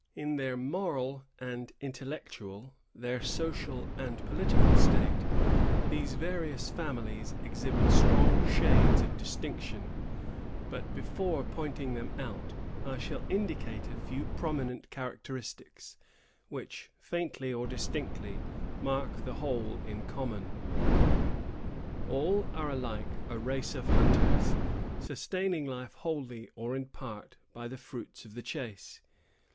In their moral and intellectual, their social and political state, these various families exhibit strong shades of distinction; but, before pointing them out, I shall indicate a few prominent characteristics, which, faintly or distinctly, mark the whole in common. All are alike a race of hunters, sustaining life wholly, or in part, by the fruits of the chase.